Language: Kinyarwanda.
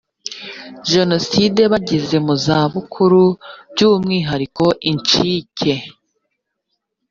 jenoside bageze mu zabukuru by umwihariko incike